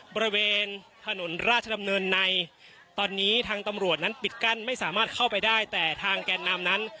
บริเวณถนนราชดำเนินในตอนนี้ทางตำรวจนั้นปิดกั้นไม่สามารถเข้าไปได้แต่ทางแกนนำนั้น